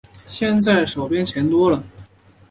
现在手边钱多了